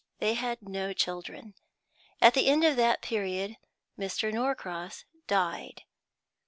They had no children. At the end of that period Mr. Norcross died.